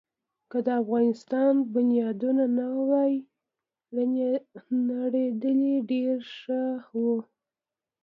که د افغانستان بنیادونه نه وی نړېدلي، ډېر ښه وو.